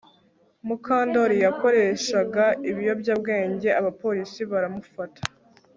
Mukandoli yakoreshaga ibiyobyabwenge abapolisi baramufata